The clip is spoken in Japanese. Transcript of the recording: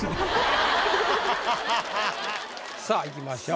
さあいきましょう。